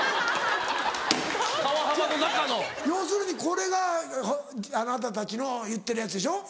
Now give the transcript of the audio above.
要するにこれがあなたたちの言ってるやつでしょ？